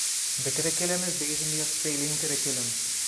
The curriculum is based on the Australian Curriculum.